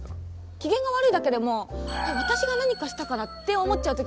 機嫌が悪いだけでもう私が何かしたかな？って思っちゃう時があるんですよね。